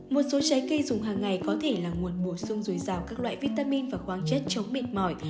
một số trái cây dùng hằng ngày có thể là nguồn bổ sung dùi dào các loại vitamin và khoáng chất chống mệt mỏi